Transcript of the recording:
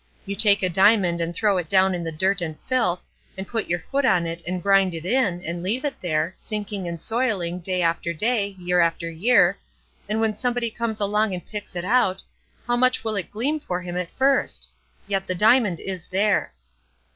You take a diamond and throw it down in the dirt and filth, and put your foot on it and grind it in, and leave it there, sinking and soiling, day after day, year after year, and when somebody comes along and picks it out, how much will it gleam for him at first? Yet the diamond is there.